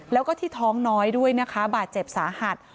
แล้วก็ที่ท้องน้อยด้วยนะคะบาดเจ็บสาหัส